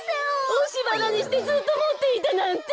おしばなにしてずっともっていたなんて！